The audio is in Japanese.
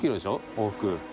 往復。